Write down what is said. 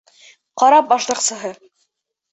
КАРАП АШНАҠСЫҺЫ